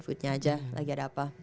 food nya aja lagi ada apa